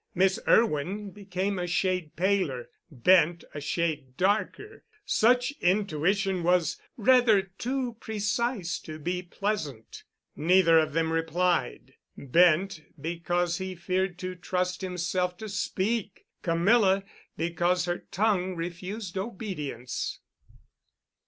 Miss Irwin became a shade paler, Bent a shade darker. Such intuition was rather too precise to be pleasant. Neither of them replied. Bent, because he feared to trust himself to speak—Camilla, because her tongue refused obedience.